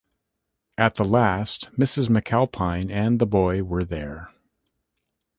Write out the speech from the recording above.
At the last Mrs. McAlpine and the boy were there.